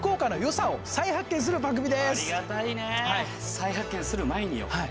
再発見する前によ